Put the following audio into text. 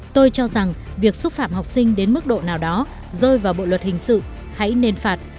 tôi cho rằng việc xúc phạm học sinh đến mức độ nào đó rơi vào bộ luật hình sự hãy nên phạt